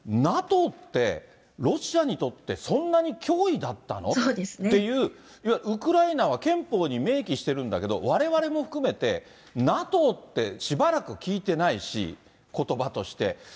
ＮＡＴＯってロシアにとってそんなに脅威だったの？っていう、いわゆるウクライナは憲法に明記してるんだけど、われわれも含めて、ＮＡＴＯってしばらく聞いてないし、ことばとして。